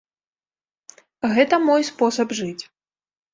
Гэта мой спосаб жыць.